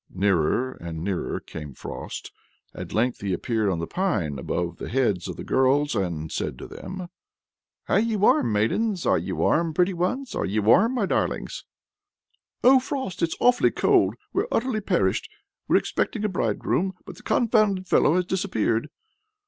Nearer and nearer came Frost. At length he appeared on the pine, above the heads of the girls, and said to them: "Are ye warm, maidens? Are ye warm, pretty ones? Are ye warm, my darlings?" "Oh, Frost, it's awfully cold! we're utterly perished! We're expecting a bridegroom, but the confounded fellow has disappeared."